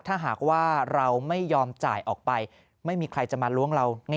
ถ้าหากว่าเราไม่ยอมจ่ายออกไปไม่มีใครจะมาล้วงเรา